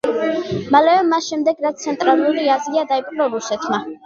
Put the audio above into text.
მალევე მას შემდეგ, რაც ცენტრალური აზია დაიპყრო რუსეთმა.